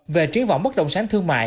về trí võng bất động sản thương mại